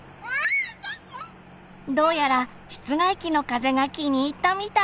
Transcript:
どうやら室外機の風が気に入ったみたい。